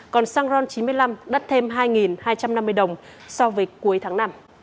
còn xăng ron chín mươi năm đắt thêm hai hai trăm năm mươi đồng so với cuối tháng năm